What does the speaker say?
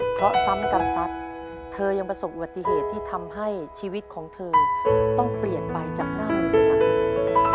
เพราะซ้ำกรรมสัตว์เธอยังประสบอุบัติเหตุที่ทำให้ชีวิตของเธอต้องเปลี่ยนไปจากหน้ามือครั้งนี้